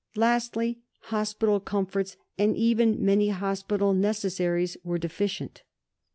Lastly, hospital comforts, and even many hospital necessaries, were deficient.